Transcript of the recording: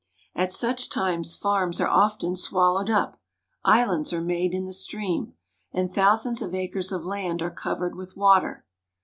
At such times farms are often swallowed up ; islands are made in the stream, and thousands of acres of land are covered with water.